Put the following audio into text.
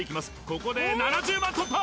ここで７０万突破！